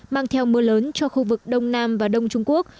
mang theo mưa lớn cho khu vực đông nam và đông trung quốc